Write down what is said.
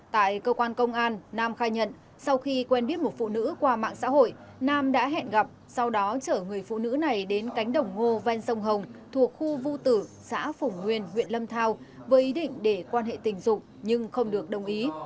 tại cơ quan công an nam khai nhận sau khi quen biết một phụ nữ qua mạng xã hội nam đã hẹn gặp sau đó chở người phụ nữ này đến cánh đồng ngô ven sông hồng thuộc khu vu tử xã phủng nguyên huyện lâm thao với ý định để quan hệ tình dục nhưng không được đồng ý